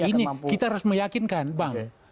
nah ini kita harus meyakinkan bank